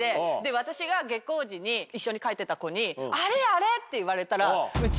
私が下校時に一緒に帰ってた子に。って言われたら。